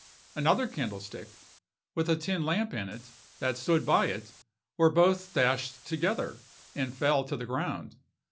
Another candlestick, with a tin lamp in it, that stood by it, were both dashed together, and fell to the ground.